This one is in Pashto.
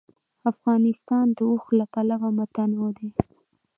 افغانستان د اوښ له پلوه متنوع دی.